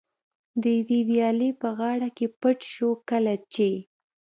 د یوې ویالې په غاړه کې پټ شو، کله چې.